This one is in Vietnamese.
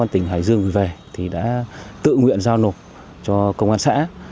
tỉnh hải dương về thì đã tự nguyện giao nổ cho công an xã